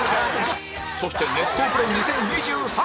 そして熱湯風呂２０２３